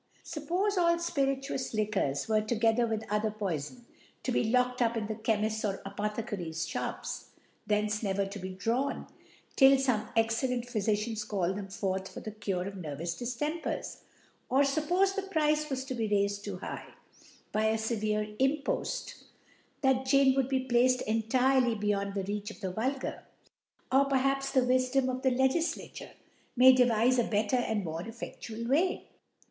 Suppofe all fpirituous Liquors were> together with other Ppifon, to be locked up in the Chemifts or Apothecaries Shops, thence never to be drawn, till fomc excel lent Phyficiaq calls thqm forth for the Cure of nervous Diftempers ! Or fuppofe the Price was to be raifed fo high, by a feverc Im poft, that Gin would be placed entirely be yond the Reach of the Vulgar! Or perhaps the Wifdom of the Legiflaiure may devife a better and more efFedual Way.